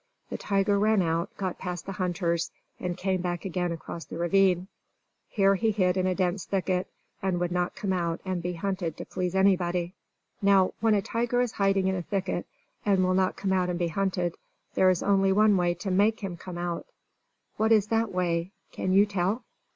The tiger ran out, got past the hunters, and came back again across the ravine. Here he hid in a dense thicket, and would not come out and be hunted to please anybody. Now, when a tiger is hiding in a thicket and will not come out and be hunted, there is only one way to make him come out. What is that way? Can you tell?